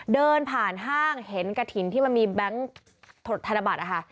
เดินผ่านห้างเห็นกระถิ่นที่มันมีแบงค์ธนบัตรนะคะ